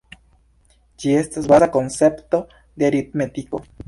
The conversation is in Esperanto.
Ĝi estas baza koncepto de aritmetiko.